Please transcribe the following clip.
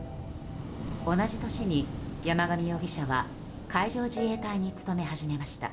同じ年に、山上容疑者は海上自衛隊に勤め始めました。